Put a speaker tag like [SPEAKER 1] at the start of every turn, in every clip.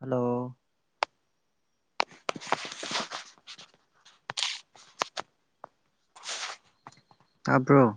[SPEAKER 1] hello ꯇꯥꯕ꯭ꯔꯣ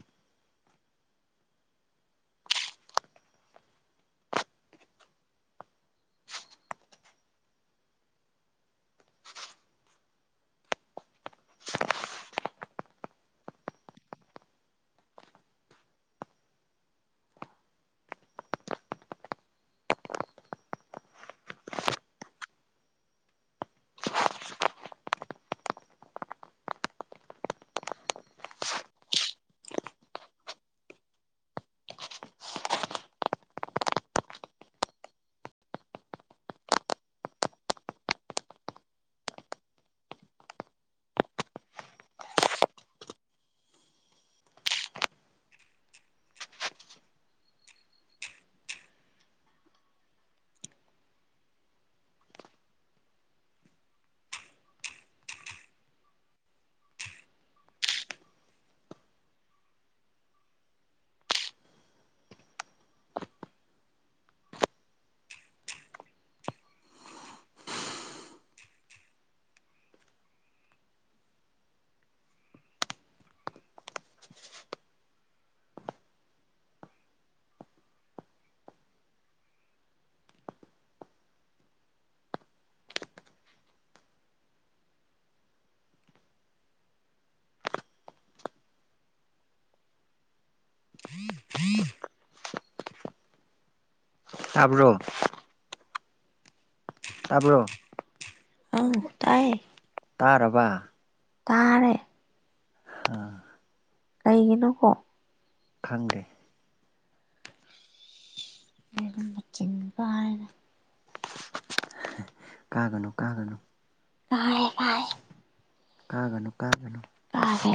[SPEAKER 2] [unintelligible]
[SPEAKER 1] ꯇꯥꯕ꯭ꯔꯣ ꯇꯥꯕ꯭ꯔꯣ
[SPEAKER 2] ꯑꯧ ꯇꯥꯏ
[SPEAKER 1] ꯇꯥꯔꯕ
[SPEAKER 2] ꯇꯥꯔꯦ
[SPEAKER 1] ꯑꯥ
[SPEAKER 2] ꯀꯩꯒꯤꯅꯣꯀꯣ
[SPEAKER 1] ꯈꯪꯗꯦ
[SPEAKER 2] [unintelligible] ꯃꯆꯤꯡ ꯀꯥꯔꯦꯗ
[SPEAKER 1] ꯀꯥꯒꯅꯨ ꯀꯥꯒꯅꯨ
[SPEAKER 2] ꯀꯥꯏ ꯀꯥꯏ
[SPEAKER 1] ꯀꯥꯒꯅꯨ ꯀꯥꯒꯅꯨ
[SPEAKER 2] ꯀꯥꯒꯦ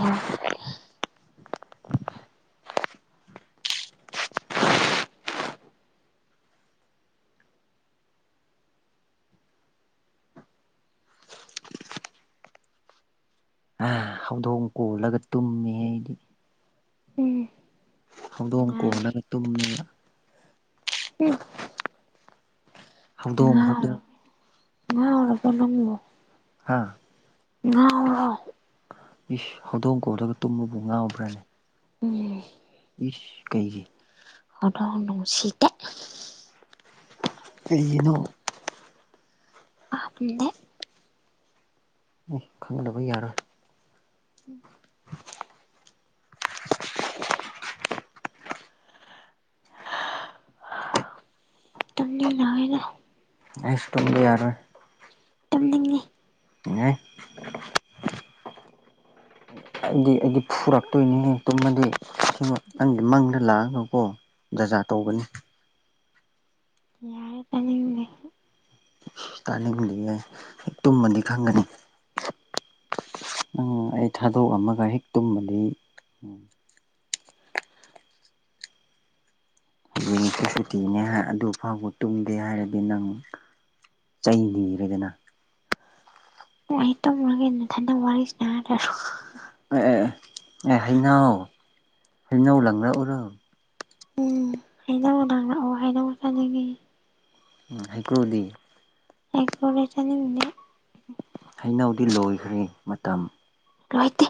[SPEAKER 1] ꯑꯥ ꯍꯧꯗꯣꯡ ꯀꯣꯜꯂꯒ ꯇꯨꯝꯃꯤ ꯑꯩꯗꯤ
[SPEAKER 2] ꯎꯝ
[SPEAKER 1] ꯍꯧꯗꯣꯡ
[SPEAKER 2] ꯉꯥꯏ
[SPEAKER 1] ꯀꯣꯜꯂꯒ ꯇꯨꯝꯃꯦꯕ
[SPEAKER 2] [unintelligible]
[SPEAKER 1] ꯍꯧꯗꯣꯡ
[SPEAKER 2] ꯉꯥꯎꯔ
[SPEAKER 1] ꯍꯧꯗꯣꯡ
[SPEAKER 2] ꯉꯥꯎꯔꯕꯣ ꯅꯪꯕꯨ
[SPEAKER 1] ꯍꯥ
[SPEAKER 2] ꯉꯥꯎꯔꯣ
[SPEAKER 1] ꯏꯁ ꯍꯧꯗꯣꯡ ꯀꯣꯜꯂꯒ ꯇꯨꯝꯕꯕꯨ ꯉꯥꯎꯕ꯭ꯔꯅꯦ
[SPEAKER 2] ꯎꯝ
[SPEAKER 1] ꯏꯁ ꯀꯩꯒꯤ
[SPEAKER 2] ꯍꯧꯗꯣꯡ ꯅꯨꯡꯁꯤꯇꯦ
[SPEAKER 1] ꯀꯩꯒꯤꯅꯣ
[SPEAKER 2] [unintelligible] ꯗꯦ
[SPEAKER 1] ꯎꯝ ꯈꯪꯗꯕ ꯌꯥꯔꯣꯏ
[SPEAKER 2] [inaudible] [unintelligible]
[SPEAKER 1] ꯑꯩꯁ ꯇꯨꯝꯕ ꯌꯥꯔꯣꯏ
[SPEAKER 2] ꯇꯨꯝꯅꯤꯡꯉꯤ
[SPEAKER 1] [unintelligible] ꯑꯩꯗꯤ ꯑꯩꯗꯤ ꯐꯨꯔꯛꯇꯣꯏꯅꯤꯍꯦ ꯇꯨꯝꯃꯗꯤ ꯅꯪꯒꯤ ꯃꯪꯗꯥ ꯂꯥꯛꯑꯒꯀꯣ ꯖꯥꯖꯥ ꯇꯧꯕꯅꯤ
[SPEAKER 2] ꯌꯥꯔꯦ ꯇꯥꯅꯤꯡꯗꯦ
[SPEAKER 1] ꯇꯥꯅꯤꯡꯗꯤꯌꯦ ꯇꯨꯝꯃꯗꯤ ꯈꯪꯒꯅꯤ ꯎꯝ ꯑꯩ ꯊꯥꯗꯣꯛꯑꯝꯃꯒ ꯍꯦꯛ ꯇꯨꯝꯕꯗꯤ ꯎꯝ [unintelligible] ꯁꯨꯇꯤꯅꯦ ꯍꯥꯏ ꯑꯗꯨ ꯐꯥꯎꯕ ꯇꯨꯝꯗꯦ ꯍꯥꯏꯔꯗꯤ ꯅꯪ ꯆꯩ ꯅꯤꯔꯦꯗꯅ
[SPEAKER 2] ꯑꯣ ꯑꯩ ꯇꯨꯝꯃꯨꯔꯒꯦ ꯅꯊꯟꯗ ꯋꯥꯔꯤ ꯁꯥꯔ ꯂꯩꯔꯣ
[SPEAKER 1] ꯑꯦ ꯑꯦ ꯑꯦ ꯑꯦ ꯍꯩꯅꯧ ꯍꯩꯅꯧ ꯂꯪꯂꯛꯎꯔꯣ
[SPEAKER 2] ꯎꯝ ꯍꯩꯅꯧ ꯂꯪꯔꯛꯑꯣ ꯍꯩꯅꯧ ꯆꯥꯅꯤꯡꯉꯦ
[SPEAKER 1] ꯎꯝ ꯍꯩꯀ꯭ꯔꯨꯗꯤ
[SPEAKER 2] ꯑꯩ ꯀꯣꯏꯕ ꯆꯠꯅꯤꯡꯗꯦ
[SPEAKER 1] ꯍꯩꯅꯧꯗꯤ ꯂꯣꯏꯈ꯭ꯔꯦ ꯃꯇꯝ
[SPEAKER 2] ꯂꯣꯏꯇꯦ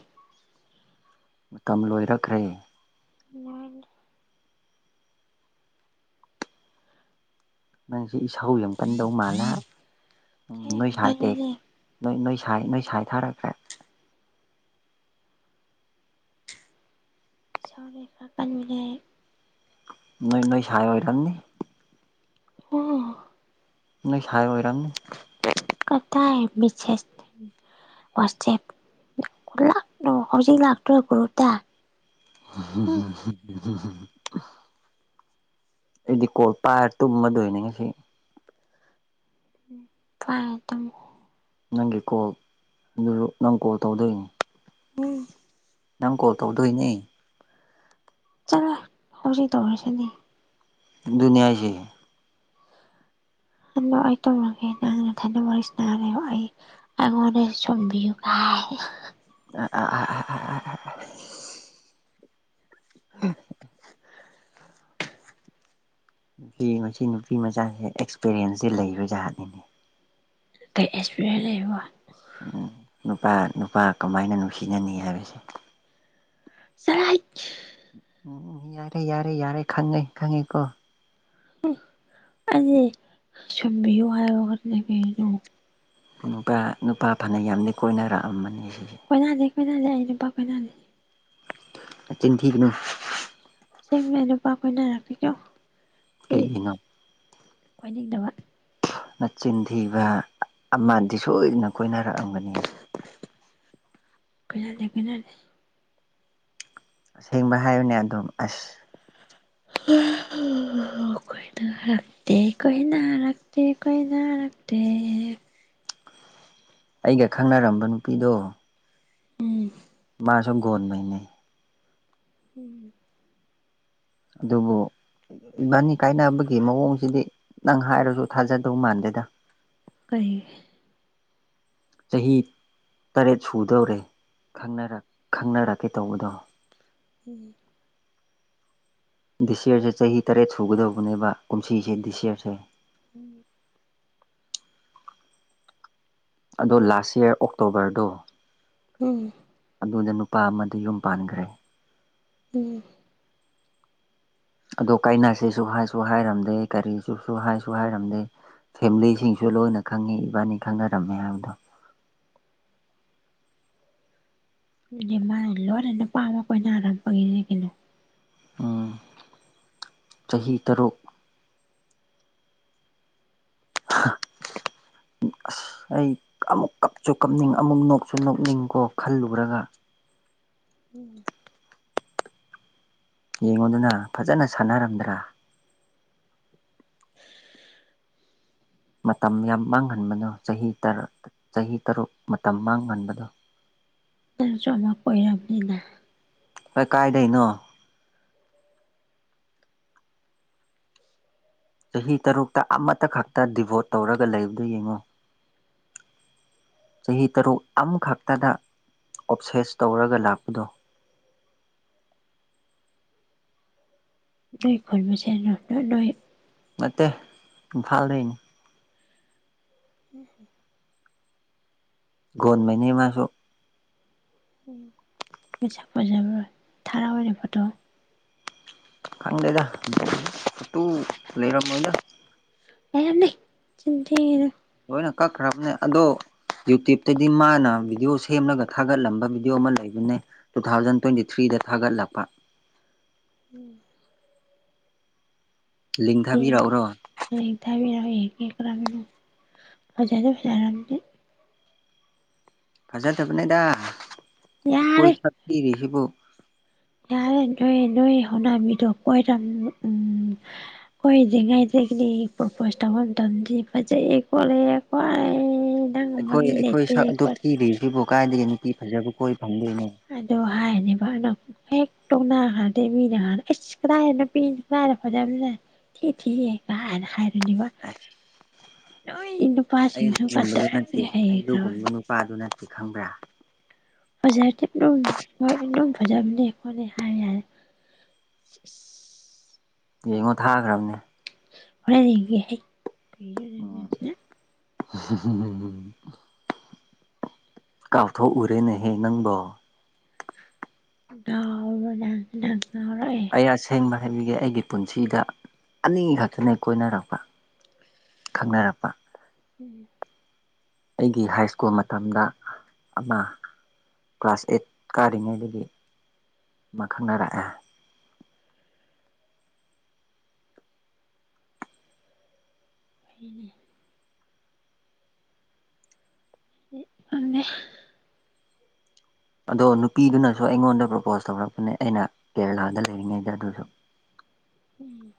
[SPEAKER 1] ꯃꯇꯝ ꯂꯣꯏꯔꯛꯈ꯭ꯔꯦ
[SPEAKER 2] ꯌꯥꯏꯅꯦ
[SPEAKER 1] ꯅꯪꯁꯨ ꯏꯁꯧ ꯌꯥꯝ ꯀꯟꯗꯧ ꯃꯥꯜꯂꯦ ꯎꯝ
[SPEAKER 2] ꯏꯁꯩ ꯌꯥꯝ
[SPEAKER 1] ꯅꯣꯏ ꯁꯥꯏꯗꯦ
[SPEAKER 2] ꯀꯜꯂꯦ
[SPEAKER 1] ꯅꯣꯏ ꯅꯣꯏ ꯁꯥꯏ ꯅꯣꯏ ꯁꯥꯏ ꯊꯥꯔꯛꯈ꯭ꯔꯦ
[SPEAKER 2] ꯏꯁꯧꯗꯤ ꯈꯔ ꯀꯟꯕꯤꯅꯦ
[SPEAKER 1] ꯅꯣꯏ ꯅꯣꯏ ꯁꯥꯏ ꯑꯣꯏꯔꯝꯅꯤ
[SPEAKER 2] [unintelligible]
[SPEAKER 1] ꯅꯣꯏ ꯁꯥꯏ ꯑꯣꯏꯔꯝꯅꯤ
[SPEAKER 2] ꯀꯗꯥꯥꯏ ꯃꯤꯁꯦꯁ ꯋꯥꯆꯦꯞ [unintelligible] ꯍꯧꯖꯤꯛ ꯂꯥꯛꯇ꯭ꯔꯣ ꯒ꯭ꯔꯨꯞꯇ ꯎꯝ
[SPEAKER 1] [unintelligible] ꯑꯩꯗꯤ ꯀꯣꯜ ꯄꯥꯏꯔ ꯇꯨꯝꯃꯗꯣꯏꯅꯤ ꯉꯁꯤ
[SPEAKER 2] ꯎꯝ ꯄꯥꯏꯔ ꯇꯨꯝꯃꯣ
[SPEAKER 1] ꯅꯪꯒꯤ ꯀꯣꯜ [unintelligible] ꯅꯪ ꯀꯣꯜ ꯇꯧꯗꯣꯏꯅꯤ
[SPEAKER 2] ꯎꯝ
[SPEAKER 1] ꯅꯪ ꯀꯣꯜ ꯇꯧꯗꯣꯏꯅꯦ
[SPEAKER 2] ꯆꯠꯂꯍꯦ ꯍꯧꯖꯤꯛ ꯇꯧꯔꯁꯤꯗꯤ
[SPEAKER 1] ꯑꯗꯨꯅꯦ ꯍꯥꯏꯁꯦ
[SPEAKER 2] ꯑꯗꯣ ꯑꯩ ꯇꯨꯝꯔꯒꯦ ꯅꯪ ꯅꯊꯟꯗ ꯋꯥꯔꯤ ꯁꯥꯅꯔ ꯂꯩꯌꯣ ꯑꯩ ꯑꯉꯣꯟꯅꯦ ꯁꯨꯝꯕꯤꯌꯨ ꯀꯥꯏ
[SPEAKER 1] ꯑꯥ ꯑꯥ ꯑꯥ ꯑꯥ ꯑꯥ [unintelligible] ꯃꯁꯤ ꯅꯨꯄꯤ ꯃꯆꯥꯁꯦ ꯑꯦꯛꯁꯄꯤꯔꯤꯌꯦꯟꯁꯇꯤ ꯂꯩꯕ ꯖꯥꯠꯅꯤꯅꯦ
[SPEAKER 2] ꯀꯩ ꯑꯦꯛꯁꯄꯤꯔꯤꯌꯦꯟꯁ ꯂꯩꯕ
[SPEAKER 1] ꯎꯝ ꯅꯨꯄꯥ ꯅꯨꯄꯥ ꯀꯃꯥꯏꯅ ꯅꯨꯡꯁꯤꯅꯅꯤ ꯍꯥꯏꯕꯁꯦ
[SPEAKER 2] [unintelligible]
[SPEAKER 1] ꯎꯝ ꯌꯥꯔꯦ ꯌꯥꯔꯦ ꯌꯥꯔꯦ ꯈꯪꯉꯦ ꯈꯪꯉꯦꯀꯣ
[SPEAKER 2] ꯑꯩꯗꯤ ꯁꯝꯕꯤꯌꯨ ꯍꯥꯏꯕ ꯋꯛꯇꯅꯦ ꯀꯩꯅꯣ
[SPEAKER 1] ꯅꯨꯄꯥ ꯅꯨꯄꯥ ꯐꯅ ꯌꯥꯝꯅ ꯀꯣꯏꯅꯔꯛꯑꯝꯃꯅꯤ ꯁꯤꯁꯦ
[SPEAKER 2] ꯀꯣꯏꯅꯗꯦ ꯀꯣꯏꯅꯗꯦ ꯑꯩ ꯅꯨꯄꯥ ꯀꯣꯏꯅꯗꯦ
[SPEAKER 1] ꯅꯆꯤꯟ ꯊꯤꯒꯅꯨ
[SPEAKER 2] ꯑꯁꯦꯡꯕꯩ ꯑꯩ ꯅꯨꯄꯥ ꯀꯣꯏꯅꯔꯛꯇ꯭ꯔꯤꯀꯣ ꯑꯩ
[SPEAKER 1] ꯀꯩꯒꯤꯅꯣ
[SPEAKER 2] ꯀꯣꯏꯅꯤꯡꯗꯕ
[SPEAKER 1] ꯅꯆꯤꯟ ꯊꯤꯕ ꯑꯃꯗꯤ ꯁꯣꯏꯗꯅ ꯀꯣꯏꯅꯔꯛꯑꯝꯒꯅꯤ
[SPEAKER 2] ꯀꯣꯏꯅꯗꯦ ꯀꯣꯏꯅꯗꯦ
[SPEAKER 1] ꯑꯁꯦꯡꯕ ꯍꯥꯏꯌꯨꯅꯦ ꯑꯗꯨꯝ ꯑꯁ
[SPEAKER 2] ꯀꯣꯏꯅꯔꯛꯇꯦ ꯀꯣꯏꯅꯔꯛ ꯇꯦ ꯀꯣꯏꯅꯔꯛꯇꯦ
[SPEAKER 1] ꯑꯩꯒ ꯈꯪꯅꯔꯝꯕ ꯅꯨꯄꯤꯗꯣ
[SPEAKER 2] ꯎꯝ
[SPEAKER 1] ꯃꯥꯁꯨ ꯒꯣꯟꯃꯩꯅꯦ
[SPEAKER 2] ꯎꯝ
[SPEAKER 1] ꯑꯗꯨꯕꯨ ꯏꯕꯥꯅꯤ ꯀꯥꯏꯅꯕꯒꯤ ꯃꯑꯣꯡꯁꯤꯗꯤ ꯅꯪ ꯍꯥꯏꯔꯁꯨ ꯊꯥꯖꯗꯧ ꯃꯥꯟꯗꯦꯗ
[SPEAKER 2] ꯀꯩꯒꯤ
[SPEAKER 1] ꯆꯍꯤ ꯇꯔꯦꯠ ꯁꯨꯗꯧꯔꯦ ꯈꯪꯅꯔꯛ- ꯈꯪꯅꯔꯛꯀꯦ ꯇꯧꯕꯗꯣ
[SPEAKER 2] ꯎꯝ
[SPEAKER 1] ꯗꯤꯁ ꯌꯔꯁꯦ ꯆꯍꯤ ꯇꯔꯦꯠ ꯁꯨꯒꯗꯧꯕꯅꯦꯕ ꯀꯨꯝꯁꯤꯁꯦ ꯗꯤꯁ ꯌꯔꯁꯦ
[SPEAKER 2] ꯎꯝ
[SPEAKER 1] ꯑꯗꯣ ꯂꯥꯁ ꯌꯥꯔ ꯑꯣꯛꯇꯣꯕꯔꯗꯣ
[SPEAKER 2] ꯎꯝ
[SPEAKER 1] ꯑꯗꯨꯗ ꯅꯨꯄꯥ ꯑꯃꯗ ꯌꯨꯝ ꯄꯥꯟꯈ꯭ꯔꯦ
[SPEAKER 2] ꯎꯝ
[SPEAKER 1] ꯑꯗꯣ ꯀꯥꯏꯅꯁꯦꯁꯨ ꯍꯥꯏꯁꯨ ꯍꯥꯏꯔꯝꯗꯦ ꯀꯔꯤꯁꯨ ꯍꯥꯏꯁꯨ ꯍꯥꯏꯔꯝꯗꯦ ꯐꯦꯃꯤꯂꯤꯁꯤꯡꯁꯨ ꯂꯣꯏꯅ ꯈꯪꯉꯤ ꯏꯕꯥꯅꯤ ꯈꯪꯅꯔꯝꯃꯦ ꯍꯥꯏꯕꯗꯣ
[SPEAKER 2] [unintelligible]
[SPEAKER 1] ꯎꯝ ꯆꯍꯤ ꯇꯔꯨꯛ ꯍ [unintelligible] ꯑꯁ ꯑꯩ ꯑꯃꯨꯛ ꯀꯞꯁꯨ ꯀꯞꯅꯤꯡ ꯑꯃꯨꯛ ꯅꯣꯛꯁꯨ ꯅꯣꯛꯅꯤꯡꯀꯣ ꯈꯜꯂꯨꯔꯒ
[SPEAKER 2] ꯎꯝ
[SPEAKER 1] ꯌꯦꯡꯉꯣꯗꯅ ꯐꯖꯅ ꯁꯥꯟꯅꯔꯝꯗ꯭ꯔꯥ ꯃꯇꯝ ꯌꯥꯝ ꯃꯥꯡꯍꯟꯕꯅꯣ ꯆꯍꯤ ꯇ꯭ꯔ ꯆꯍꯤ ꯇꯔꯨꯛ ꯃꯇꯝ ꯃꯥꯡꯍꯟꯕꯗꯣ
[SPEAKER 2] ꯅꯪꯁꯨ ꯑꯃ ꯀꯣꯏꯔꯝꯅꯤꯅ
[SPEAKER 1] ꯑ ꯀꯥꯏꯗꯩꯩꯅꯣ ꯆꯍꯤ ꯇꯔꯨꯛꯇ ꯑꯃꯠꯇ ꯈꯛꯇ ꯗꯤꯚꯣꯠ ꯇꯧꯔꯒ ꯂꯩꯕꯗꯣ ꯌꯦꯡꯉꯣ ꯆꯍꯤ ꯇꯔꯨꯛ ꯑꯃꯈꯛꯇꯗ ꯑꯣꯞꯁꯦꯁ ꯇꯧꯔꯒ ꯂꯥꯛꯄꯗꯣ
[SPEAKER 2] ꯅꯣꯏ ꯈꯨꯜꯃꯁꯦꯜ ꯉꯥꯛꯇ ꯅꯣꯏ
[SPEAKER 1] ꯅꯠꯇꯦ ꯏꯝꯐꯥꯜ ꯗꯩꯅꯦ
[SPEAKER 2] ꯎꯝ ꯍꯨꯝ
[SPEAKER 1] ꯒꯣꯟꯃꯩꯅꯦ ꯃꯥꯁꯨ
[SPEAKER 2] ꯃꯁꯛ ꯐꯖꯕ꯭ꯔꯣ ꯊꯥꯔꯛꯎꯅꯦ ꯐꯣꯇꯣ
[SPEAKER 1] ꯈꯪꯗꯦꯗ [unintelligible] ꯐꯣꯇꯨ ꯂꯩꯔꯝꯃꯣꯏꯗ
[SPEAKER 2] ꯂꯩꯔꯝꯅꯤ ꯆꯤꯟ ꯊꯤꯒꯅꯨ
[SPEAKER 1] ꯂꯣꯏꯅ ꯀꯛꯈ꯭ꯔꯕꯅꯦ ꯑꯗꯣ ꯌꯨꯇ꯭ꯌꯨꯕꯇꯗꯤ ꯃꯥꯅ ꯚꯤꯗꯤꯑꯣ ꯁꯦꯝꯔꯒ ꯊꯥꯒꯠꯂꯝꯕ ꯚꯤꯗꯤꯑꯣ ꯑꯃ ꯂꯩꯕꯅꯦ ꯇꯨ ꯊꯥꯎꯖꯟ ꯇ꯭ꯋꯦꯟꯇꯤ ꯊ꯭ꯔꯤꯗ ꯊꯥꯒꯠꯂꯛꯄ
[SPEAKER 2] ꯎꯝ
[SPEAKER 1] ꯂꯤꯡ ꯊꯥꯕꯤꯔꯛꯎꯔꯣ
[SPEAKER 2] ꯂꯤꯡ ꯊꯥꯕꯤꯔꯛꯎ ꯌꯦꯡꯒꯦ ꯀꯔꯝꯕꯅꯣ ꯐꯖꯗꯤ ꯐꯖꯔꯝꯅꯤ
[SPEAKER 1] ꯐꯖꯗꯕꯅꯦꯗ
[SPEAKER 2] ꯌꯥꯔꯦ
[SPEAKER 1] ꯑꯩꯈꯣꯏ ꯁꯛ ꯊꯤꯔꯤꯁꯤꯕꯨ
[SPEAKER 2] ꯌꯥꯔꯦ ꯅꯣꯏ ꯅꯣꯏ ꯍꯧꯅꯕꯤꯗꯣ ꯀꯣꯏꯔꯝ ꯎꯝ ꯀꯣꯏꯗ꯭ꯔꯤꯉꯩꯗꯒꯤꯗꯤ ꯄ꯭ꯔꯣꯄꯣꯁ ꯇꯧꯕ ꯃꯇꯝꯗꯤ ꯐꯖꯩꯌꯦ ꯈꯣꯠꯂꯦ [unintelligible]
[SPEAKER 1] ꯑꯩꯈꯣꯏ
[SPEAKER 2] ꯃꯤ
[SPEAKER 1] ꯑꯩꯈꯣꯏ
[SPEAKER 2] ꯂꯩꯇꯦ
[SPEAKER 1] ꯁꯛ ꯑꯗꯨꯛ
[SPEAKER 2] ꯈꯣꯠꯂꯦ
[SPEAKER 1] ꯊꯤꯔꯤꯁꯤꯕꯨ ꯀꯥꯏꯗꯒꯤ ꯅꯨꯄꯤ ꯐꯖꯕ ꯀꯣꯏ ꯐꯪꯗꯣꯏꯅꯣ
[SPEAKER 2] ꯑꯗꯣ ꯍꯥꯏꯔꯤꯅꯦꯕ ꯑꯗꯨꯝ ꯍꯦꯛ ꯇꯣꯛꯅꯈ꯭ꯔꯗꯤ ꯃꯤꯅ ꯍꯥꯟꯅ ꯏꯁ ꯀꯗꯥꯢ ꯅꯨꯄꯤ ꯅꯨꯄꯥ ꯐꯖꯕꯅꯣ ꯊꯤ ꯊꯤꯌꯦ ꯀꯥꯏꯅ ꯍꯥꯏꯔꯅꯤꯕ
[SPEAKER 1] ꯑꯁ
[SPEAKER 2] ꯅꯣꯏ ꯅꯨꯄꯥꯁꯤꯡꯁꯨ ꯀꯗ꯭ꯔ ꯑꯃꯗꯤ ꯍꯩꯒ꯭ꯔꯕ
[SPEAKER 1] ꯅꯨꯄꯥꯗꯨꯅ ꯁꯤ ꯈꯪꯕ꯭ꯔꯥ
[SPEAKER 2] ꯐꯖꯔꯗꯤ ꯑꯗꯨꯝ ꯍꯣꯏ ꯑꯗꯨꯝ ꯐꯖꯕꯅꯦ ꯈꯣꯠꯅꯦ ꯍꯥꯏꯔ ꯌꯥꯔꯦ
[SPEAKER 1] ꯌꯦꯡꯉꯣ ꯊꯥꯈ꯭ꯔꯕꯅꯦ
[SPEAKER 2] ꯍꯣꯔꯦꯟ ꯌꯦꯡꯒꯦ ꯍꯩ [inaudible]
[SPEAKER 1] ꯎꯝ [unintelligible] ꯀꯥꯎꯊꯣꯛꯎꯔꯦꯅꯦꯍꯦ ꯅꯪꯕꯣ
[SPEAKER 2] [unintelligible]
[SPEAKER 1] ꯑꯦ ꯑꯁꯦꯡꯅ ꯍꯥꯏꯕꯤꯒꯦ ꯑꯩꯒꯤ ꯄꯨꯟꯁꯤꯗ ꯑꯅꯤ ꯈꯛꯇꯅꯦ ꯀꯣꯏꯅꯔꯛꯄ ꯈꯪꯅꯔꯛꯄ
[SPEAKER 2] ꯎꯝ
[SPEAKER 1] ꯑꯩꯒꯤ ꯍꯥꯏ ꯁ꯭ꯀꯨꯜ ꯃꯇꯝꯗ ꯑꯃ ꯀ꯭ꯂꯥꯁ ꯑꯩꯠ ꯀꯥꯔꯤꯉꯩꯗꯒꯤ ꯃꯥ ꯈꯪꯅꯔꯛꯑꯦ
[SPEAKER 2] [inaudible] [unintelligible]
[SPEAKER 1] ꯑꯗꯣ ꯅꯨꯄꯤꯗꯨꯅꯁꯨ ꯑꯩꯉꯣꯟꯗ ꯄ꯭ꯔꯄꯣꯁ ꯇꯧꯔꯛꯄꯅꯦ ꯑꯩꯅ ꯀꯦꯔꯂꯥꯗ ꯂꯩꯔꯤꯉꯩꯗ ꯑꯗꯨꯁꯨ
[SPEAKER 2] ꯎꯝ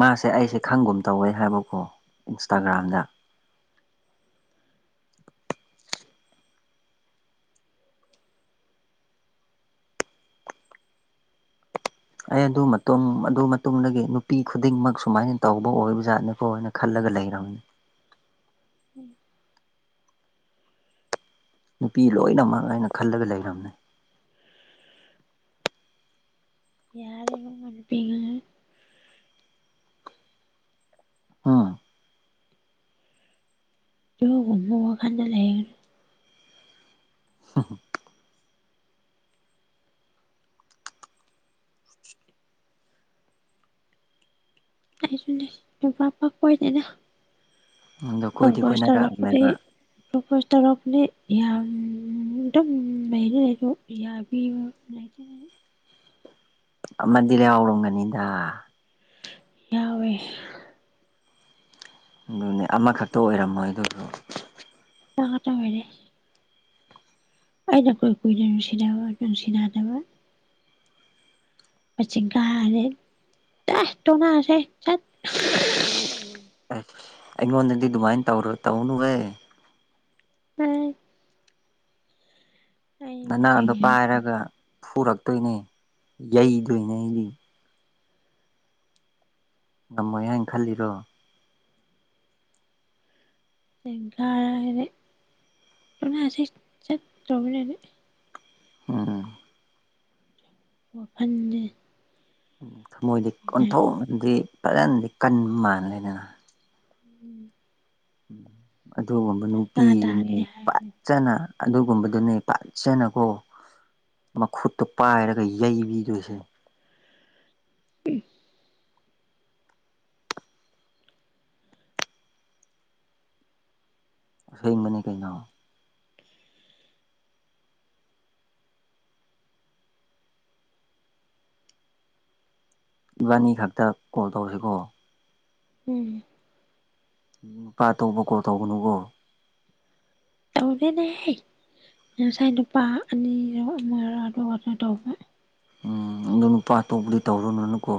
[SPEAKER 1] ꯃꯥꯁꯦ ꯑꯩꯁꯦ ꯈꯪꯒꯨꯝ ꯇꯧꯋꯦ ꯍꯥꯏꯕꯀꯣ
[SPEAKER 2] ꯎꯝ
[SPEAKER 1] ꯏꯟꯁꯇꯥꯒ꯭ꯔꯥꯝꯗ ꯑꯩ ꯑꯗꯨ ꯃꯇꯨꯡ ꯑꯗꯨ ꯃꯇꯨꯡꯗꯒꯤ ꯅꯨꯄꯤ ꯈꯨꯗꯤꯡꯃꯛ ꯁꯨꯝꯃꯥꯏ ꯇꯧꯕ ꯑꯣꯏꯕ ꯖꯥꯠꯅꯤꯀꯣꯅ ꯈꯜꯂꯒ ꯂꯩꯔꯝꯅꯦ
[SPEAKER 2] ꯎꯝ
[SPEAKER 1] ꯅꯨꯄꯤ ꯂꯣꯏꯅꯃꯛ ꯑꯩꯅ ꯈꯜꯂꯒ ꯂꯩꯔꯝꯅꯦ
[SPEAKER 2] ꯌꯥꯔꯦ ꯏꯕꯨꯡꯉꫭ [unintelligible]
[SPEAKER 1] ꯎꯝ
[SPEAKER 2] ꯑꯗꯨꯒꯨꯝꯕ ꯋꯥꯈꯟꯗ ꯂꯩ [unintelligible]
[SPEAKER 1] [unintelligible]
[SPEAKER 2] ꯑꯩꯁꯨꯅꯤ ꯅꯨꯄꯥ ꯄꯥꯛ ꯀꯣꯏꯗꯦꯗ
[SPEAKER 1] ꯑꯗꯣ ꯀꯣꯏꯗꯤ
[SPEAKER 2] ꯄ꯭ꯔꯄꯣꯁ ꯇꯧꯔꯛꯄꯗꯤ
[SPEAKER 1] ꯀꯣꯏꯅꯔꯛꯑꯕꯅꯦꯕ
[SPEAKER 2] ꯄ꯭ꯔꯄꯣꯁ ꯇꯧꯔꯛꯄꯗꯤ ꯌꯥꯝ ꯗꯨꯝ ꯂꯩꯗꯤ ꯂꯩ ꯑꯗꯣ ꯌꯥꯕꯤꯕ ꯂꯩꯇꯦꯅꯦ
[SPEAKER 1] ꯑꯃꯗꯤ ꯌꯥꯎꯔꯝꯒꯅꯤꯗ
[SPEAKER 2] ꯌꯥꯎꯋꯦ
[SPEAKER 1] ꯑꯗꯨꯅꯦ ꯑꯃꯈꯛꯇ ꯑꯣꯏꯔꯝꯃꯣꯏ ꯑꯗꯨꯁꯨ
[SPEAKER 2] ꯑꯃ ꯈꯛꯇ ꯑꯣꯏꯔꯦ ꯑꯩꯅ ꯀꯨꯏ ꯀꯨꯏꯅ ꯅꯨꯡꯁꯤꯅꯕ ꯅꯨꯡꯁꯤꯅꯗꯕ ꯃꯆꯤꯡ ꯀꯥꯔꯦ [unintelligible] ꯇꯣꯛꯅꯔꯁꯦ ꯆꯠ
[SPEAKER 1] [unintelligible] ꯑꯩꯉꯣꯟꯗꯗꯤ ꯑꯗꯨꯃꯥꯏꯟ ꯇꯧꯔꯨ ꯇꯧꯅꯨꯍꯦ
[SPEAKER 2] ꯑꯥꯏ ꯑꯩ
[SPEAKER 1] ꯅꯅꯥꯗꯨ
[SPEAKER 2] ꯃꯆꯤꯡ
[SPEAKER 1] ꯄꯥꯏꯔꯒ ꯐꯨꯔꯛꯇꯣꯏꯅꯦ ꯌꯩꯗꯣꯏꯅꯦ ꯑꯩꯗꯤ ꯉꯝꯃꯣꯏ ꯍꯥꯏꯟ ꯈꯜꯂꯤꯔꯣ
[SPEAKER 2] [unintelligible] ꯍꯥꯏꯗꯤ [unintelligible]
[SPEAKER 1] ꯎꯝ
[SPEAKER 2] ꯋꯥꯈꯟꯖꯦ
[SPEAKER 1] ꯊꯝꯃꫭꯏꯗꯤ ꯑꯣꯟꯊꯣꯛꯅꯗꯤ ꯐꯖꯅꯗꯤ ꯀꯟꯕ ꯃꯥꯜꯂꯤꯅꯦ
[SPEAKER 2] ꯎꯝ
[SPEAKER 1] ꯑꯗꯨꯒꯨꯝꯕ
[SPEAKER 2] ꯗꯔꯀꯥꯔ ꯇꯥꯔꯦ
[SPEAKER 1] ꯅꯨꯄꯤꯗꯨꯅꯤ ꯄꯠ
[SPEAKER 2] ꯍꯥꯏꯔꯅꯤ
[SPEAKER 1] ꯆꯥꯅ ꯑꯗꯨꯒꯨꯝꯕꯗꯨꯅꯦ [unintelligible] ꯖꯅꯀꯣ ꯃꯈꯨꯠꯇꫭ ꯄꯥꯏꯔꯒ ꯌꯩꯕꯤꯗꯣꯏꯁꯦ ꯑꯁꯦꯡꯕꯅꯤ ꯀꯩꯅꯣ ꯏꯕꯥꯅꯤ ꯈꯛꯇ ꯀꯣꯜ ꯇꯧꯁꯦꯀꯣ
[SPEAKER 2] ꯎꯝ
[SPEAKER 1] ꯅꯨꯄꯥ ꯑꯇꯣꯞꯄ ꯀꯣꯜ ꯇꯧꯒꯅꯨꯀꯣ
[SPEAKER 2] ꯇꯧꯗꯦꯅꯦꯍ ꯉꯁꯥꯏ ꯅꯨꯄꯥ ꯑꯅꯤꯔꯣ ꯑꯃꯔ ꯑꯗꯨ ꯈꯛꯇ ꯇꯧꯕ
[SPEAKER 1] ꯎꯝ ꯑꯗꯨ ꯅꯨꯄꯥ ꯑꯇꯣꯞꯄꯗꯤ ꯇꯧꯔꯨꯅꯅꯨꯀꯣ